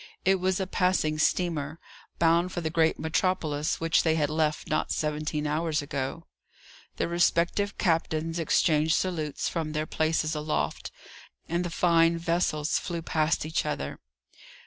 It was a passing steamer, bound for the great metropolis which they had left not seventeen hours ago. The respective captains exchanged salutes from their places aloft, and the fine vessels flew past each other.